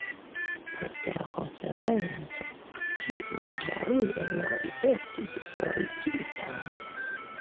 Post la konferenco tiuj bariloj estis forigitaj.